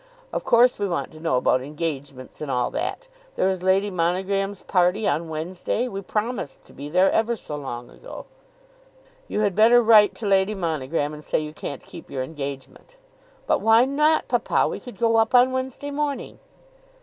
Of course we want to know about engagements and all that. There is Lady Monogram's party on Wednesday. We promised to be there ever so long ago." "You had better write to Lady Monogram and say you can't keep your engagement." "But why not, papa? We could go up on Wednesday morning."